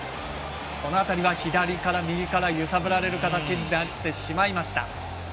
この辺りは左から右から揺さぶられる形になってしまいました。